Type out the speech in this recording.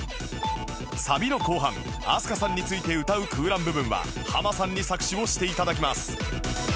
サビの後半飛鳥さんについて歌う空欄部分はハマさんに作詞をして頂きます